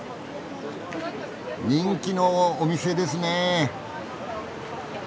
人気のお店ですねえ！